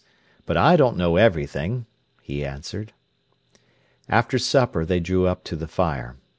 But I don't know everything," he answered. After supper they drew up to the fire.